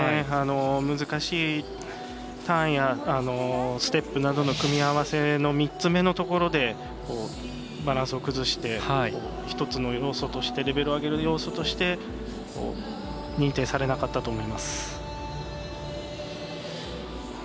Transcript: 難しいターンやステップなどの組み合わせの３つ目のところでバランスを崩して１つの要素としてレベルを上げる要素として認定されなかったと思います。